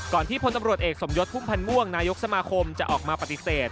ที่พลตำรวจเอกสมยศพุ่มพันธ์ม่วงนายกสมาคมจะออกมาปฏิเสธ